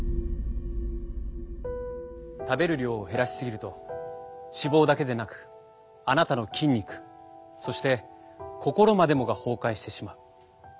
食べる量を減らし過ぎると脂肪だけでなくあなたの筋肉そして心までもが崩壊してしまう。